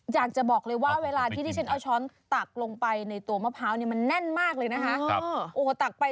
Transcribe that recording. อยากจะบอกเลยว่าเวลาที่ที่ฉันเอาช้อนตักลงไปในตัวมะพร้าวเนี่ยมันแน่นมากเลยนะคะ